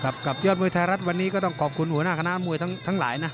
กับยอดมวยไทยรัฐวันนี้ก็ต้องขอบคุณหัวหน้าคณะมวยทั้งหลายนะ